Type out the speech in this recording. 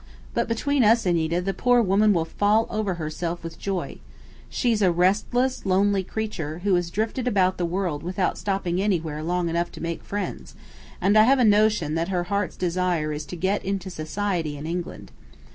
But between us, Anita, the poor woman will fall over herself with joy. She's a restless, lonely creature, who has drifted about the world without stopping anywhere long enough to make friends, and I have a notion that her heart's desire is to 'get into society' in England.